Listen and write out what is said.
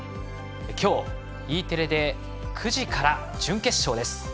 今日、Ｅテレで９時から準決勝です。